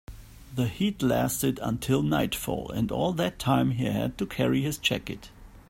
The heat lasted until nightfall, and all that time he had to carry his jacket.